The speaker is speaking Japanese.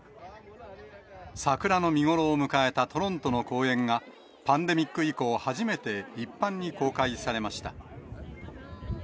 桜の見頃を迎えたトロントの公園が、パンデミック以降、初めて一般に公開されました。